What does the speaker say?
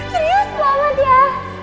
serius banget ya